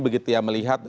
begitu ya melihat